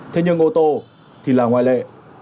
thế nhưng ô tô thì là ngoại lệ